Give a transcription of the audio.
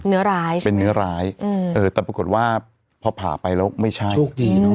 เนื้อร้ายเป็นเนื้อร้ายแต่ปรากฏว่าพอผ่าไปแล้วไม่ใช่